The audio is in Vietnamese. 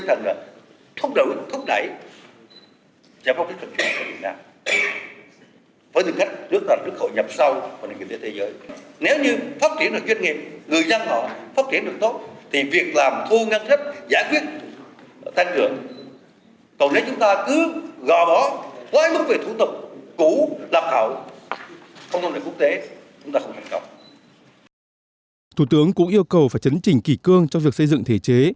thủ tướng cũng yêu cầu phải chấn chỉnh kỳ cương trong việc xây dựng thể chế